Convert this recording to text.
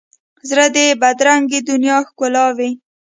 زړه د بدرنګه دنیا ښکلاوي.